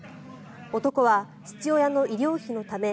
男は、父親の医療費のため